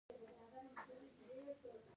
بیداریدل پکار دي